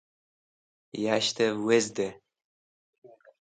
Yashtev wezday